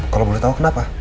kalau boleh tahu kenapa